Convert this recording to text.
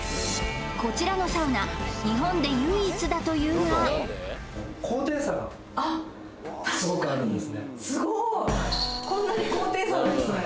こちらのサウナ日本で唯一だというが確かにすごいこんなに高低差があるんですね